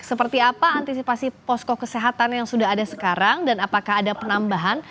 seperti apa antisipasi posko kesehatan yang sudah ada sekarang dan apakah ada penambahan